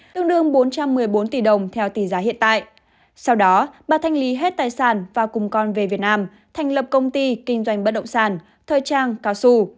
tương đương bốn trăm một mươi bốn tỷ đồng theo tỷ giá hiện tại sau đó bà thanh lý hết tài sản và cùng con về việt nam thành lập công ty kinh doanh bất động sản thời trang cao su